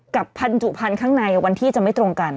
กับพันธุผันข้างในอ่ะบัญชีจะไม่ตรงกัน